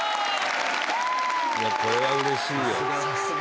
いやこれはうれしいよ。